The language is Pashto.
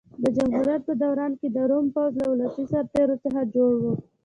د جمهوریت په دوران کې د روم پوځ له ولسي سرتېرو څخه جوړ و.